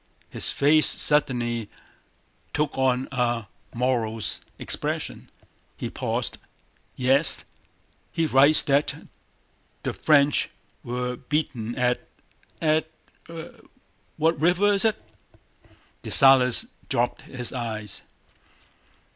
His face suddenly took on a morose expression. He paused. "Yes, he writes that the French were beaten at... at... what river is it?" Dessalles dropped his eyes.